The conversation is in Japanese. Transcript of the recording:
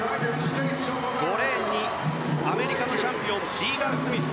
５レーンにアメリカのチャンピオンリーガン・スミス。